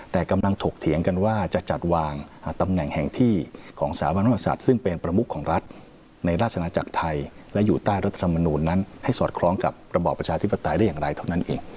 แต่กำลังถกเถียงกันว่าจะจัดวางตำแหน่งแห่งที่ของสถาบันพระมศัตริย์ซึ่งเป็นประมุขของรัฐในราชนาจักรไทยและอยู่ใต้รัฐธรรมนูลนั้นให้สอดคล้องกับระบอบประชาธิปไตยได้อย่างไรเท่านั้นเอง